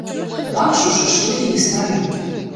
Бачу ж, што ты не стары.